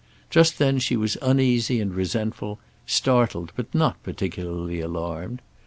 Just then she was uneasy and resentful, startled but not particularly alarmed.